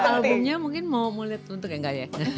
albumnya mungkin mau melihat tuntuk ya enggak ya